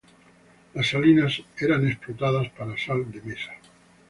Las salinas eran explotadas para sal de mesa.